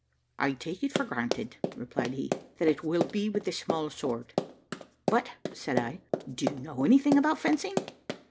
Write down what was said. "I take it for granted," replied he, "that it will be with the small sword." "But," said I, "do you know anything about fencing?"